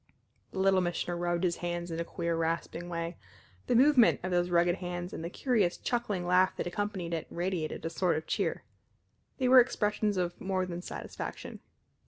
The Little Missioner rubbed his hands in a queer rasping way. The movement of those rugged hands and the curious, chuckling laugh that accompanied it, radiated a sort of cheer. They were expressions of more than satisfaction.